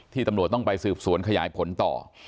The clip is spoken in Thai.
ตำรวจต้องไปสืบสวนขยายผลต่อ